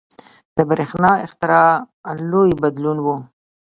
• د برېښنا اختراع لوی بدلون و.